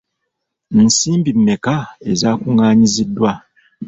Nsimbi mmeka ezaakungaanyiziddwa?